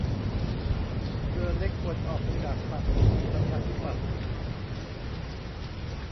เรือเล็กควรออกจากฝั่ง ประชาธิปัตย์